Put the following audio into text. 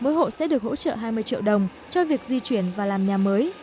mỗi hộ sẽ được hỗ trợ hai mươi triệu đồng cho việc di chuyển và làm nhà mới